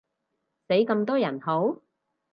死咁多人好？